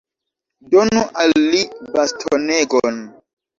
Donu al li bastonegon.